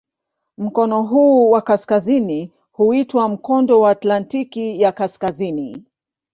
Mkono huu wa kaskazini huitwa "Mkondo wa Atlantiki ya Kaskazini".